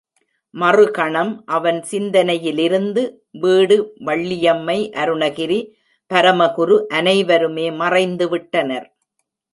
மறு கணம் அவன் சிந்தனையிலிருந்து வீடு, வள்ளியம்மை, அருணகிரி, பரமகுரு அனைவருமே மறைந்து விட்டனர்.